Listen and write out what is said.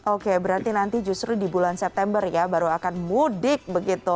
oke berarti nanti justru di bulan september ya baru akan mudik begitu